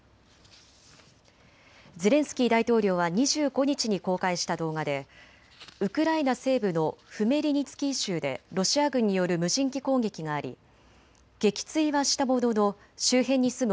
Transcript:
ゼレンスキー大統領は２５日に公開した動画でウクライナ西部のフメリニツキー州でロシア軍による無人機攻撃があり撃墜はしたものの周辺に住む